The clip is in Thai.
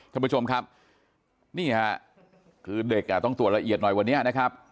ท่านผู้ชมครับนี่ค่ะคือเด็กอ่ะต้องตรวจละเอียดหน่อยวันนี้นะครับ